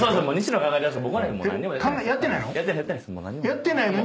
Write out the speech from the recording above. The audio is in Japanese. やってないの？